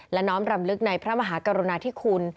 และน้อมรำลึกในพระมหากรุณาธิคุณ